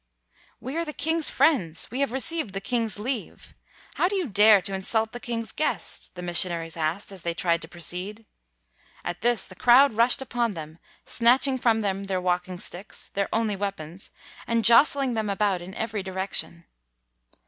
"We are the king's friends, we have re ceived the king's leave. How do you dare to insult the king's guests?" the mission aries asked as they tried to proceed. At this the crowd rushed upon them, snatching from them their walking sticks, their only weapons, and jostling them about in every direction.